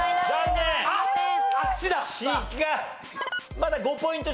まだ５ポイント